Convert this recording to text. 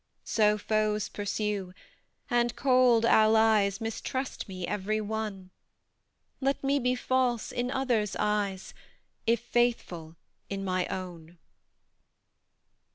So foes pursue, and cold allies Mistrust me, every one: Let me be false in others' eyes, If faithful in my own.